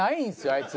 あいつ。